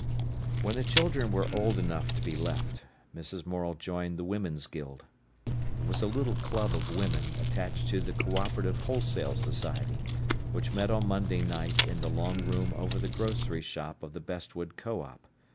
When the children were old enough to be left, Mrs. Morel joined the Women's Guild. It was a little club of women attached to the Co operative Wholesale Society, which met on Monday night in the long room over the grocery shop of the Bestwood "Co op".